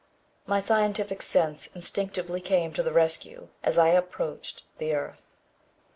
My scientific sense instinctively came to the rescue as I approached the earth.